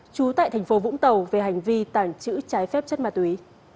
trú tại thành phố vũng tàu về hành vi tàng trữ trái phép chất ma túy